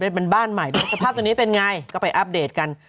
เป็นบ้านใหม่ด้วยสภาพตัวนี้เป็นไงก็ไปอัปเดตกัน